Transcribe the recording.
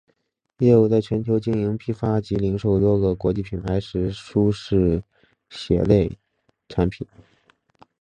业务在全球经营批发及零售多个国际品牌的时尚舒适鞋类产品。